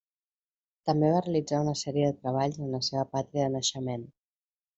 També va realitzar una sèrie de treballs en la seva pàtria de naixement.